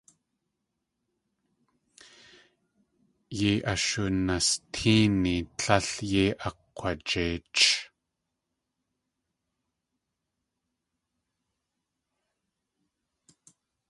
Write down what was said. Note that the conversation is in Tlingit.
Yéi ashunastéeni tlél yei akg̲wajeich.